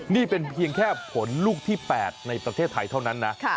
นี่เป็นเพียงแค่ผลลูกที่๘ในประเทศไทยเท่านั้นนะ